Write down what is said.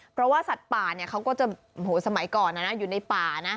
เพราะว่าสัตว์ป่าเนี่ยเขาก็จะสมัยก่อนอยู่ในป่านะ